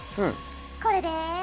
これで。